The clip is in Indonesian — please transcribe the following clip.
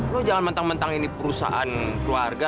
loh jangan mentang mentang ini perusahaan keluarga